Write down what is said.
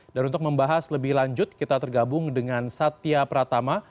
dan untuk membahas lebih lanjut kita tergabung dengan satya pratama